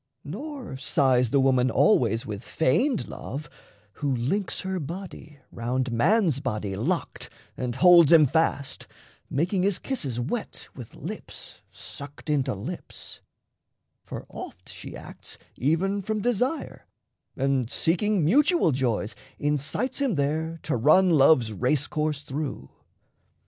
Nor sighs the woman always with feigned love, Who links her body round man's body locked And holds him fast, making his kisses wet With lips sucked into lips; for oft she acts Even from desire, and, seeking mutual joys, Incites him there to run love's race course through.